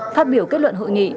phát biểu kết luận hội nghị